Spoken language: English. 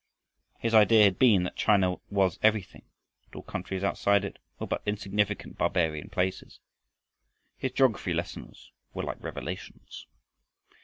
His idea had been that China was everything, that all countries outside it were but insignificant barbarian places. His geography lessons were like revelations.